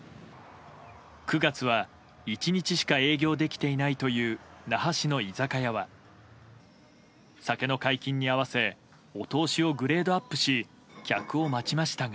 ９月は１日しか営業できていないという那覇市の居酒屋は酒の解禁に合わせお通しをグレードアップし客を待ちましたが。